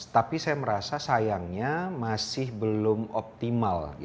tapi saya merasa sayangnya masih belum optimal